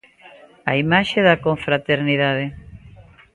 A imaxe da confraternidade.